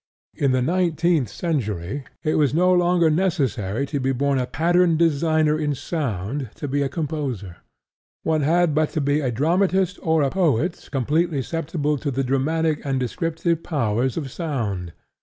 In the nineteenth century it was no longer necessary to be a born pattern designer in sound to be a composer. One had but to be a dramatist or a poet completely susceptible to the dramatic and descriptive powers of sound.